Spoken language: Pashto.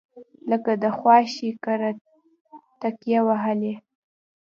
لکه د خواښې کره تکیه وهلې.